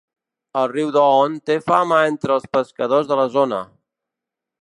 El riu Doon té fama entre els pescadors de la zona.